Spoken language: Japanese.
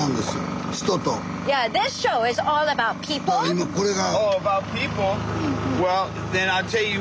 今これが。